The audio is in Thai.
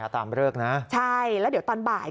ตามเลิกนะใช่แล้วเดี๋ยวตอนบ่าย